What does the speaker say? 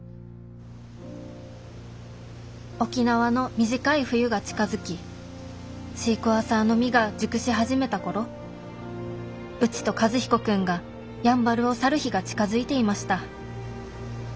沖縄の短い冬が近づきシークワーサーの実が熟し始めた頃うちと和彦君がやんばるを去る日が近づいていました